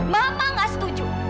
mama gak setuju